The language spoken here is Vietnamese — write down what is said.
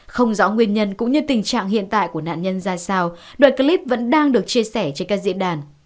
không rõ nguyên nhân cũng như tình trạng hiện tại của nạn nhân ra sao đoạn clip vẫn đang được chia sẻ trên các diễn đàn